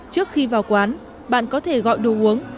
trước khi vào quán bạn có thể gọi đồ uống